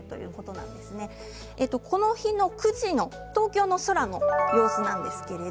この日の９時の東京の空の様子です。